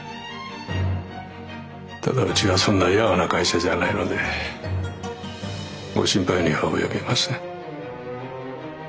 ただうちはそんなやわな会社じゃないのでご心配には及びません。